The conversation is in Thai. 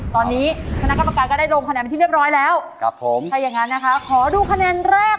กรับกรรมการทางอีก๒ครับ